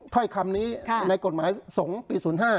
ถ้อยคำนี้ในกฎหมายสงฆ์ปี๐๕